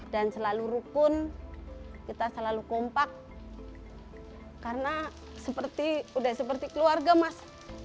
dan selalu rukun kita selalu kompak karena seperti udah seperti keluarga mas